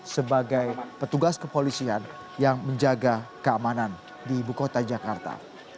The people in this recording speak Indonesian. sebagai petugas kepolisian yang menjaga keamanan di ibu kota jakarta